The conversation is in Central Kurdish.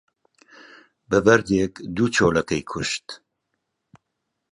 بە بەردێک دوو چۆلەکەی کوشت